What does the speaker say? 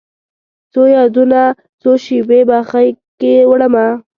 څو یادونه، څو شیبې په غیږکې وړمه